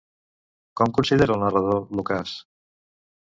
Com considera el narrador l'ocàs?